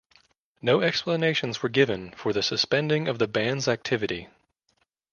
No explanations were given for the suspending of the band's activity.